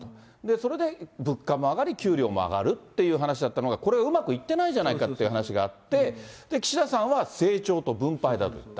それで物価も上がり、給料も上がるっていう話だったのが、これうまくいってないじゃないかって話があって、岸田さんは成長と分配だと言った。